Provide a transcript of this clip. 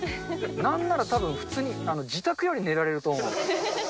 なんならたぶん、普通に自宅より寝られると思う。